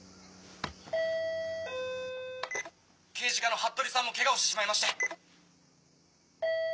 刑事課の服部さんもケガをしてしまいまして。